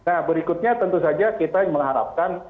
nah berikutnya tentu saja kita mengharapkan